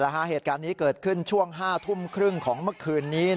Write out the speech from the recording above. เหตุการณ์นี้เกิดขึ้นช่วง๕ทุ่มครึ่งของเมื่อคืนนี้